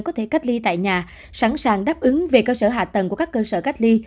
có thể cách ly tại nhà sẵn sàng đáp ứng về cơ sở hạ tầng của các cơ sở cách ly